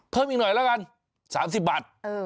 เพิ่มอีกหน่อยแล้วกัน๓๐บาท